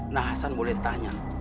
nah san boleh tanya